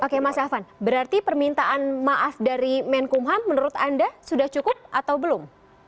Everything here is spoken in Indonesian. oke mas elvan berarti permintaan maaf dari menkumham menurut anda sudah cukup atau belum